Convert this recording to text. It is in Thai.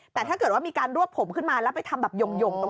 แต่ถ้าเกิดว่ามีการรวบผมขึ้นมาแล้วไปทำแบบหย่งตรง